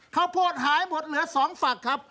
ข้าวโพดหายหมดเหลือ๒ฝักครับ